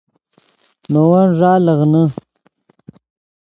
نے ون ݱا لیغنے